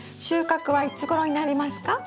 収穫はいつごろになりますか？